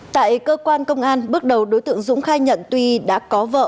tại cơ quan công an bước đầu đối tượng dũng khai nhận tuy đã có vợ